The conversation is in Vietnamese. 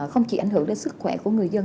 không chỉ ảnh hưởng đến sức khỏe của người dân